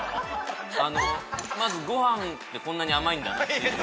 まずご飯ってこんなに甘いんだっていう。